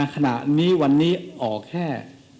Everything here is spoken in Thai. ขณะนี้วันนี้ออกแค่